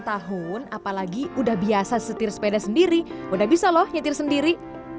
tahun apalagi udah biasa setir sepeda sendiri udah bisa loh nyetir sendiri